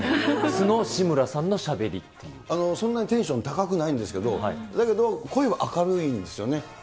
素の志村さんのしゃべりってそんなテンション高くないんですけれども、だけど、声は明るいんですよね。